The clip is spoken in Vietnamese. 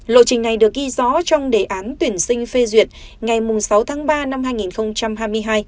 lộ trình này được ghi rõ trong đề án tuyển sinh phê duyệt ngày sáu tháng ba năm hai nghìn hai mươi hai